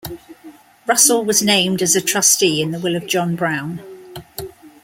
Russell was named as a trustee in the will of John Brown.